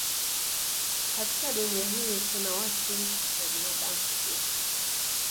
Katika Dunia hii kuna watu na binadamu pia